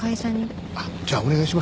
あっじゃあお願いします。